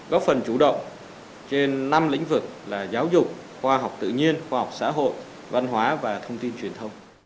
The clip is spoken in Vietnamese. góp phần chủ động trên năm lĩnh vực là giáo dục khoa học tự nhiên khoa học xã hội văn hóa và thông tin truyền thông